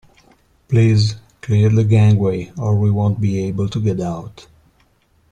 Please clear the gangway or we won't be able to get out